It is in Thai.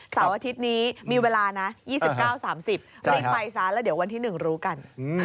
เสาร์อาทิตย์นี้มีเวลานะ๒๙๓๐รีบไปซะแล้วเดี๋ยววันที่๑รู้กัน